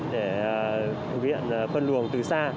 của huyện phân luồng từ xa